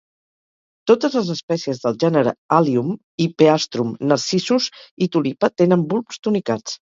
Totes les espècies del gènere "Allium", "Hippeastrum", "Narcissus" i "Tulipa" tenen bulbs tunicats.